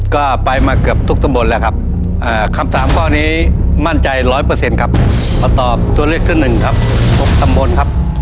ก็ไปมาเกือบทุกตำบลแล้วครับคำถามข้อนี้มั่นใจร้อยเปอร์เซ็นต์ครับขอตอบตัวเลือกที่หนึ่งครับ๖ตำบลครับ